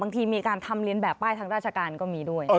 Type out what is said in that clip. มีการทำเรียนแบบป้ายทางราชการก็มีด้วย